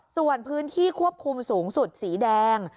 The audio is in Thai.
ส่วนพื้นที่ควบคุมสูงสุดสีแดง